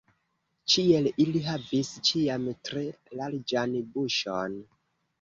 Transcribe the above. Ĉiel ili havis ĉiam tre larĝan buŝon.